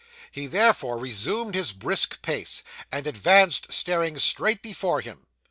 He therefore resumed his brisk pace, and advanced, staring straight before him.